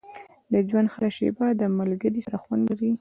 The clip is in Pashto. • د ژوند هره شېبه له ملګري سره خوند لري.